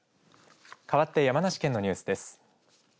かわって山梨県のニュースです。